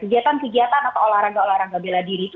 mereka menjadi orang yangopedis